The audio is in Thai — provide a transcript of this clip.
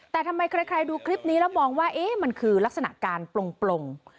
แต่ทำไมใครดูคลิปนี้แล้วมองว่ามันคือลักษณะการปลง